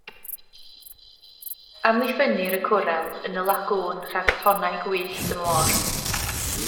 Amddiffynnir y cwrel yn y lagŵn rhag tonnau gwyllt y môr.